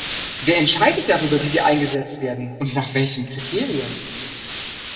Wer entscheidet darüber, wie sie eingesetzt werden, und nach welchen Kriterien?